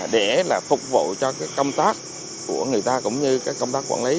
để phục vụ cho công tác của người ta cũng như các công tác quản lý